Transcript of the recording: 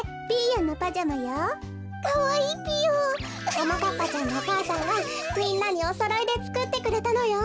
ももかっぱちゃんのお母さんがみんなにおそろいでつくってくれたのよ。